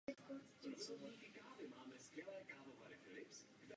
V současnosti už není tento způsob příliš využíván.